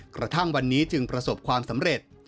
กระทั่งวันนี้จึงประสบความสำเร็จ